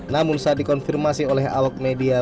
namun saat dikonfirmasi oleh awak media